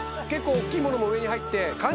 結構大っきいものも上に入って。